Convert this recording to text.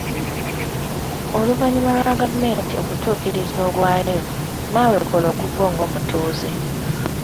Oluvannyuma lwa gavumenti okutuukiriza ogwayo, naawe kola ogugwo ng'omutuuze.